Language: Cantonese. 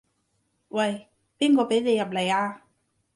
喂，邊個畀你入來啊？